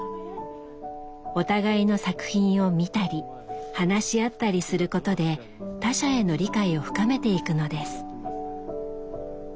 お互いの作品を見たり話し合ったりすることで他者への理解を深めていくのです。